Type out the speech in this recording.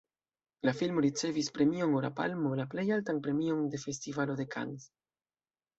La filmo ricevis premion Ora Palmo, la plej altan premion de Festivalo de Cannes.